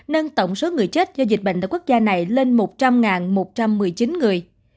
nâng tổng số người chết do dịch bệnh tại quốc gia này lên một trăm linh một trăm một mươi chín người